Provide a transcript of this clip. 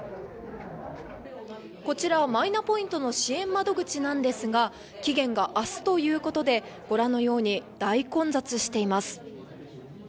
こちら、マイナポイントの支援窓口なんですが期限が明日ということでご覧のように大混雑しています。